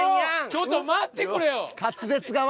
ちょっと待ってくれよ。